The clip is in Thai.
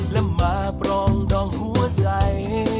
และมาปรองดองหัวใจ